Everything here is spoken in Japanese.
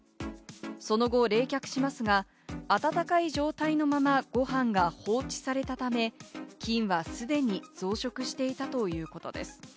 その後、冷却しますが、温かい状態のまま、ご飯が放置されたため、菌は既に増殖していたということです。